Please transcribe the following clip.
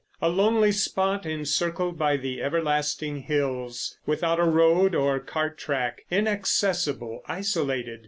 A lonely spot encircled by the everlasting hills, without a road or cart track—inaccessible, isolated.